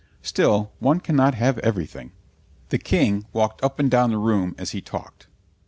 Still, one cannot have everything. The King walked up and down the room as he talked.